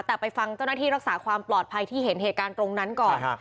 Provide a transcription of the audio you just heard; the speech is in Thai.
แต่ไปฟังเจ้าหน้าที่รักษาความปลอดภัยที่เห็นเหตุการณ์ตรงนั้นก่อน